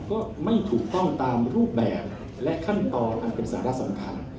ก็ไม่ถูกต้องตามรูปแบบและขั้นตอนอันเป็นสาระสำคัญ